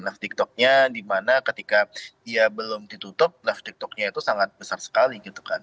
nah tiktoknya di mana ketika dia belum ditutup live tiktoknya itu sangat besar sekali gitu kan